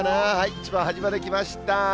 一番端まで来ました。